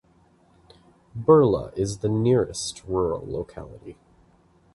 Burla is the nearest rural locality.